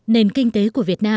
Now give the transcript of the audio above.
nền kinh tế của việt nam